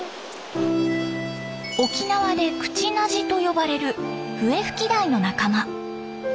沖縄でクチナジと呼ばれるフエフキダイの仲間。